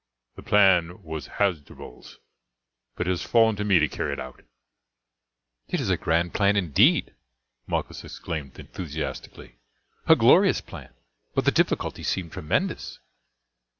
The plan was Hasdrubal's, but it has fallen to me to carry it out." "It is a grand plan indeed," Malchus exclaimed enthusiastically "a glorious plan, but the difficulties seem tremendous."